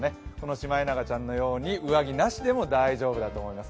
シマエナガちゃんのように上着なしでも大丈夫だと思います。